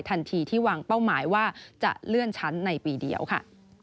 ทันทีที่วางเป้าหมายว่าจะเลื่อนชั้นในปีเดียวค่ะ